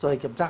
rồi kiểm tra